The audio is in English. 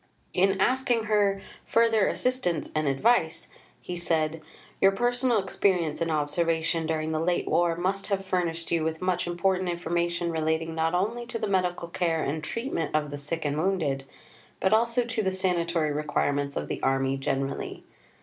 In asking her "further assistance and advice," he said: "Your personal experience and observation, during the late War, must have furnished you with much important information relating not only to the medical care and treatment of the sick and wounded, but also to the sanatory requirements of the Army generally."